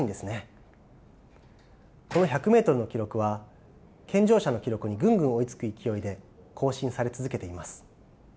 この１００ｍの記録は健常者の記録にぐんぐん追いつく勢いで更新され続けています。